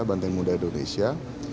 banteng muda indonesia